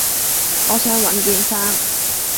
我想搵件衫